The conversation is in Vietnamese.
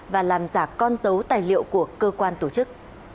và làm giả con dấu tài liệu của cơ quan tổ chức